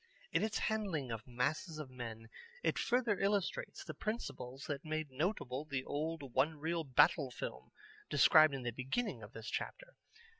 In its handling of masses of men it further illustrates the principles that made notable the old one reel Battle film described in the beginning of this chapter.